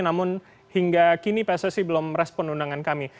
namun hingga kini pssi belum respon undangan kami